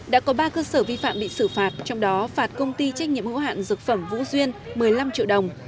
đã có ba cơ sở vi phạm bị xử phạt trong đó phạt công ty trách nhiệm hữu hạn dược phẩm vũ duyên một mươi năm triệu đồng